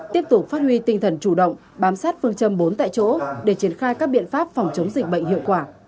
tiếp tục phát huy tinh thần chủ động bám sát phương châm bốn tại chỗ để triển khai các biện pháp phòng chống dịch bệnh hiệu quả